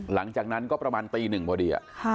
หลังจากนั้นก็ประมาณตีหนึ่งพอดี